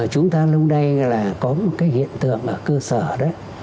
chúng ta lúc đây là có một cái hiện tượng ở cơ sở đấy